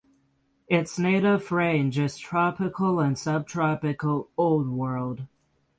Its native range is Tropical and Subtropical Old World.